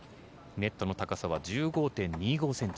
ネットの高さは１５．２５ｃｍ。